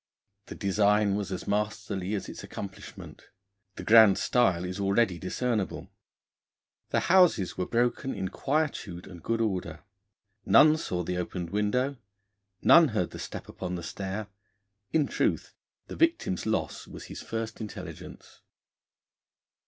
The design was as masterly as its accomplishment. The grand style is already discernible. The houses were broken in quietude and good order. None saw the opened window; none heard the step upon the stair; in truth, the victim's loss was his first intelligence.